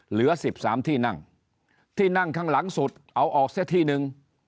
เหลือ๑๓ที่นั่งที่นั่งข้างหลังสุดเอาออกซะที่หนึ่ง